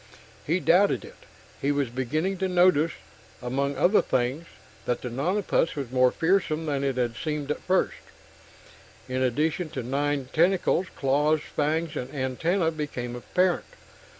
He doubted it. He was beginning to notice, among other things, that the nonapus was more fearsome than it had seemed at first in addition to nine tentacles, claws, fangs and antenna became apparent.